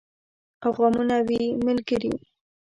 او غمونه وي ملګري